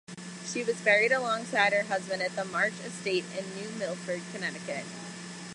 She was buried alongside her husband at the March Estate in New Milford, Connecticut.